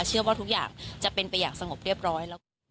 ทุกอย่างจะเป็นไปอย่างสงบเรียบร้อย